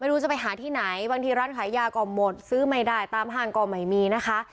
ไม่รู้จะไปหาที่ไหนบางทีร้านขายยาก็หมดซื้อไม่ได้ตามห้างก็ไม่มีนะคะ